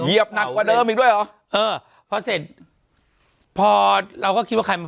หนักกว่าเดิมอีกด้วยเหรอเออพอเสร็จพอเราก็คิดว่าใครมา